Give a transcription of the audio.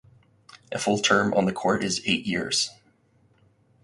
A full term on the court is eight years.